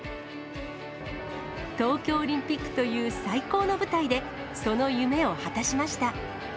東京オリンピックという最高の舞台で、その夢を果たしました。